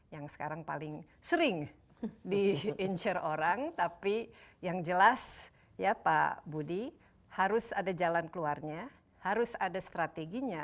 yang sekarang paling sering diincer orang tapi yang jelas ya pak budi harus ada jalan keluarnya harus ada strateginya